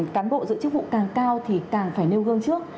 cán bộ giữ chức vụ càng cao thì càng phải nêu gương trước